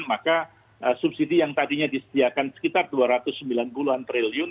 maka subsidi yang tadinya disediakan sekitar rp dua ratus sembilan puluh an triliun